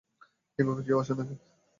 এইভাবে কেউ আসে নাকি?